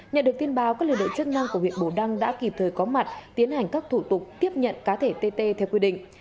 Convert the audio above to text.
nhận được tin báo các liên đội chức năng của huyện bù đăng đã kịp thời có mặt tiến hành các thủ tục tiếp nhận cá thể tê tê theo quy định